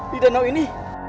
di danau ini